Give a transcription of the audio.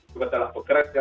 juga dalam pekerja